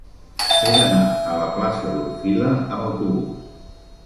He d'anar a la plaça d'Orfila amb autobús.